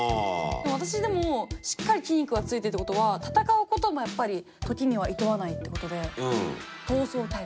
私でもしっかり筋肉がついてるってことは戦うこともやっぱり時にはいとわないってことで闘争タイプ。